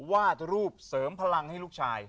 วาดรูปเสริมพลังให้ลูกชาย